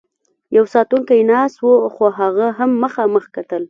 یو ساتونکی ناست و، خو هغه هم مخامخ کتل.